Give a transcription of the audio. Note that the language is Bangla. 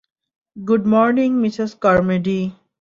Good morning, Mrs Carmody!